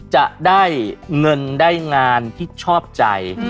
จะได้เงินได้งานที่ชอบใจ